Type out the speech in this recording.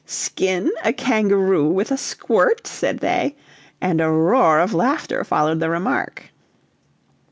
"Skin a kangaroo with a squirt?" said they, and a roar of laughter followed the remark.